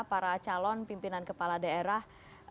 para calon pimpinan kepala daerah